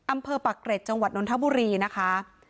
อำเภอปะเกร็จจังหวัดนนทบุรีนะคะ